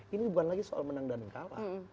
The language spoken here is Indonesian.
ini bukan lagi soal menang dan kalah